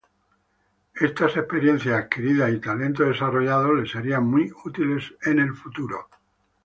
Estas experiencias adquiridas y talentos desarrollados les serían muy útiles a futuro.